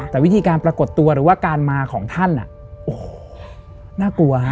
แต่วิธีการปรากฏตัวหรือว่าการมาของท่านโอ้โหน่ากลัวฮะ